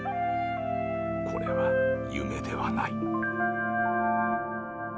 これは夢ではない」。